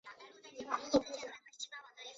隔天早起一边读书